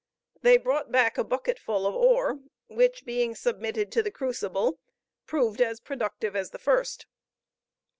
They brought back a bucketful of ore, which, being submitted to the crucible, proved as productive as the first.